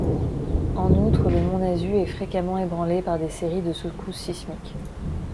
En outre, le mont Nasu est fréquemment ébranlé par des séries de secousses sismiques.